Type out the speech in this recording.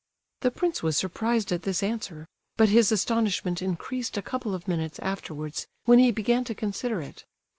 The prince was surprised at this answer; but his astonishment increased a couple of minutes afterwards, when he began to consider it.